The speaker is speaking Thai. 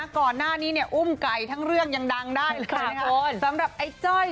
ก่อนหน้านี้อุ้มไก่ทั้งเรื่องยังดังได้สำหรับไอ้จ้อย